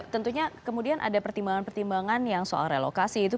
tentunya kemudian ada pertimbangan pertimbangan yang soal relokasi itu